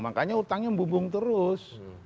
makanya hutangnya membubung terus